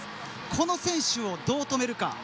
この選手をどう止めるか。